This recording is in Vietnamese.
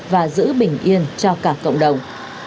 và giữ bình yên cho cả cộng đồng